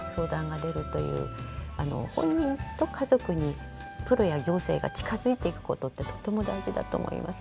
本人と家族にプロや行政が近づいていくことってとても大事だと思います。